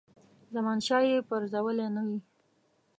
زمانشاه یې پرزولی نه وي.